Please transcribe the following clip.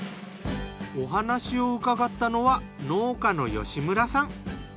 お話を伺ったのは農家の吉村さん。